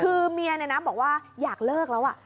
คือเมียนะบอกว่าอยากเลิกแล้วอ่ะ